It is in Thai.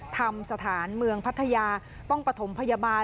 ธรรมสถานเมืองพัทยาต้องประถมพยาบาล